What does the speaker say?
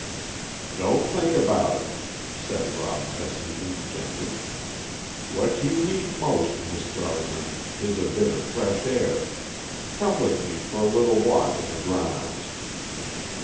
"Don't think about it," said Rob Fessenden gently. "What you need most, Miss Gardner, is a bit of fresh air. Come with me for a little walk in the grounds."